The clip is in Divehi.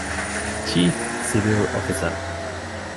ޗީފް ސިވިލް އޮފިސަރ